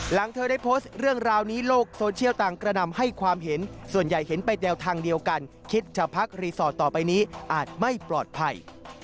หลังเธอได้โพสต์เรื่องราวนี้โลกโซเชียลต่างกระนำให้ความเห็นส่วนใหญ่เห็นไปแนวทางเดียวกันคิดจะพักรีสอร์ทต่อไปนี้อาจไม่ปลอดภัย